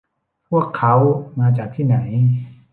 พวกเค้ามาจากที่ไหน